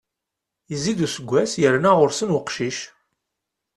Yezzi-d useggas, yerna ɣur-sen uqcic.